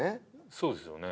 そうですよね